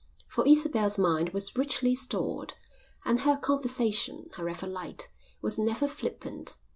For Isabel's mind was richly stored, and her conversation, however light, was never flippant.